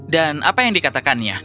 dan apa yang dikatakannya